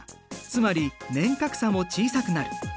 つまり年較差も小さくなる。